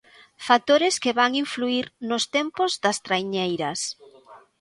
Factores que van influír nos tempos das traiñeiras.